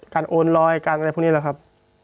การโอนลอยเนี่ยพวกนี้นะครับ